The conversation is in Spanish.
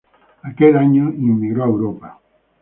Aquel año inmigró a Europa.